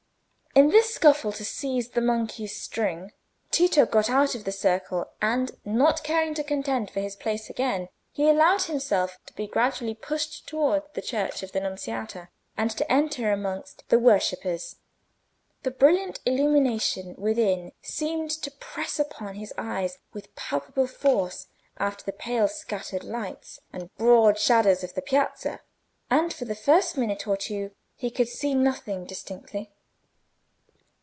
In the scuffle to seize the monkey's string, Tito got out of the circle, and, not caring to contend for his place again, he allowed himself to be gradually pushed towards the church of the Nunziata, and to enter amongst the worshippers. The brilliant illumination within seemed to press upon his eyes with palpable force after the pale scattered lights and broad shadows of the piazza, and for the first minute or two he could see nothing distinctly.